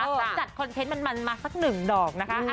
จัดคอนเทนต์มันมาสักหนึ่งดอกนะคะ